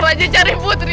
raja cari putri